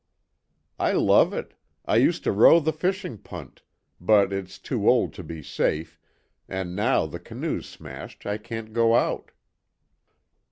"I love it. I used to row the fishing punt, but it's too old to be safe, and now the canoe's smashed I can't go out."